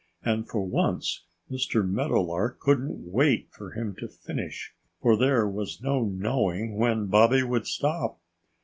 And for once Mr. Meadowlark couldn't wait for him to finish. For there was no knowing when Bobby would stop.